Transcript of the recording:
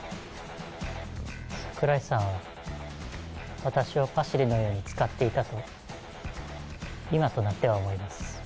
桜井さんは、私をパシリのように使っていたと、今となっては思います。